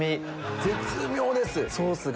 絶妙ですソースが。